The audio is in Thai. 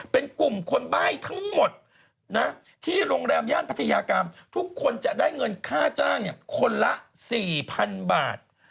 เป็นกลุ่มคนใบ้ทั้งหมดนะที่โรงแรมย่านพัทยากรรมทุกคนจะได้เงินค่าจ้างคนละ๔๐๐๐บาท